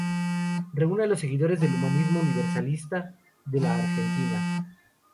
Reúne a los seguidores del Humanismo Universalista de la Argentina.